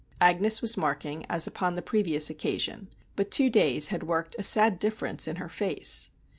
Agnes was marking, as upon the previous occasion, but two days had worked a sad difference in her face.